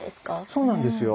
そうなんですよ。